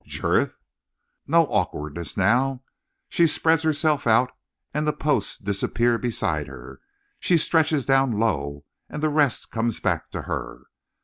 "Jurith!" "No awkwardness now! She spreads herself out and the posts disappear beside her. She stretches down low and the rest come back to her.